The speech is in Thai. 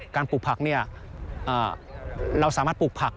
ปลูกผักเราสามารถปลูกผัก